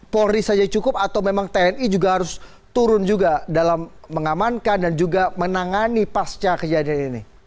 polri saja cukup atau memang tni juga harus turun juga dalam mengamankan dan juga menangani pasca kejadian ini